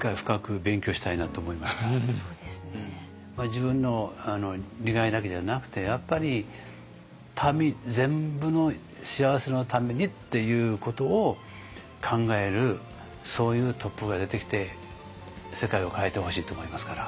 自分の利害だけじゃなくてやっぱり民全部の幸せのためにっていうことを考えるそういうトップが出てきて世界を変えてほしいと思いますから。